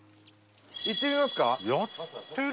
行ってみますか。